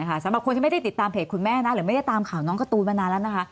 ตอนคุยไม่ได้ติดตามเพจคุณแม่หรือไม่ได้ตามข่าวน้องกระตูนมานานรัว